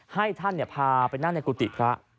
ให้ท่านพาไปนั่งในกุฏิพระ